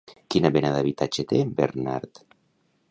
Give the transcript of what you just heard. Quina mena d'habitatge té en Bernard?